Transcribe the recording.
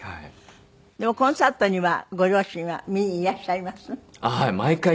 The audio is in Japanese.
でもコンサートにはご両親は見にいらっしゃいます？